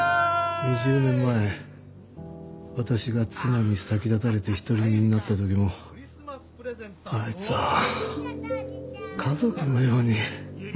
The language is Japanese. ２０年前私が妻に先立たれて独り身になったときもあいつは家族のように迎えてくれた。